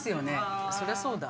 そりゃそうだ。